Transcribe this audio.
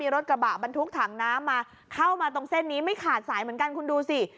รถบรรทุกถังน้ำมาเข้ามาตรงเส้นนี้ไม่ขาดสายเหมือนกันคุณดูสิ